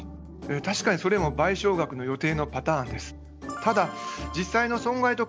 確かにそれも賠償額の予定のパターンです。